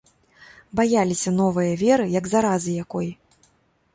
Баяліся новае веры, як заразы якой.